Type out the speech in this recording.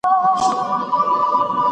سياستپوهنه د قدرت د استعمال لاري څېړي.